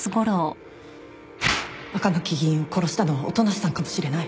赤巻議員を殺したのは音無さんかもしれない